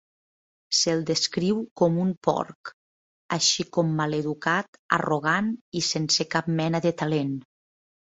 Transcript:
Se'l descriu com "un porc", així com "maleducat, arrogant i sense cap mena de talent".